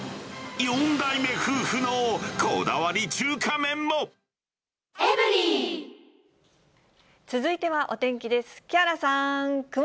４代目夫婦のこだわり中華麺続いてはお天気です。